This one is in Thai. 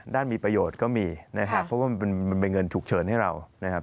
ด้านมีประโยชน์ก็มีนะครับเพราะว่ามันเป็นเงินฉุกเฉินให้เรานะครับ